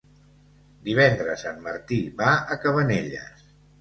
Divendres en Martí va a Cabanelles.